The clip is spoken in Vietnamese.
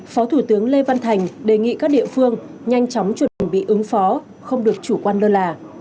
phó thủ tướng lê văn thành đề nghị các địa phương nhanh chóng chuẩn bị ứng phó không được chủ quan lơ là